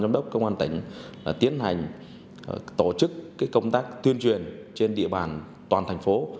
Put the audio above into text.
giám đốc công an thành phố là tiến hành tổ chức công tác tuyên truyền trên địa bàn toàn thành phố